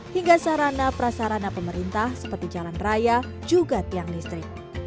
hingga sarana prasarana pemerintah seperti jalan raya juga tiang listrik